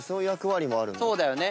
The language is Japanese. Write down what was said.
そうだよね。